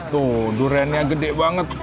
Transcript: tuh duriannya gede banget